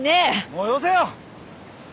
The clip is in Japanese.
もうよせよ！